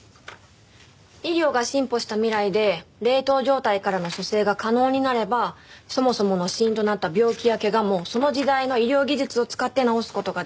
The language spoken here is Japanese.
医療が進歩した未来で冷凍状態からの蘇生が可能になればそもそもの死因となった病気や怪我もその時代の医療技術を使って治す事ができる。